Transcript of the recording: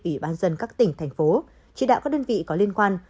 ủy ban dân các tỉnh thành phố chỉ đạo các đơn vị có liên quan